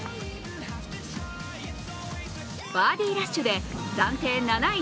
バーディーラッシュで暫定７位